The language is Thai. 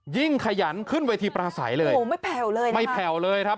ยิ่งขยันขึ้นเวทีปราศัยเลยไม่แผ่วเลยครับ